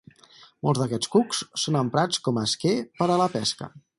Molts d'aquests cucs són emprats com a esquer per a la pesca.